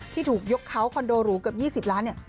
ที่ถูกยกเขาคอนโดหรูเกือบ๒๐ล้านเนี่ย